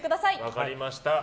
分かりました。